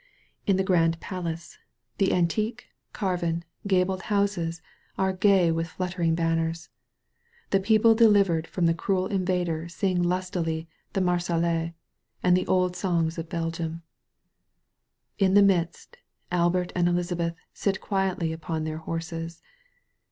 In the Orande Place, the antique, carven, 73 THE VALLEY, OP VISION gabled houses are gay with fluttering banners; the people delivered from the cruel invader sing lustily the MarmUaiae and the old songs of Bel gium. In the midst, Albert and Elizabeth sit quietly upon their horses.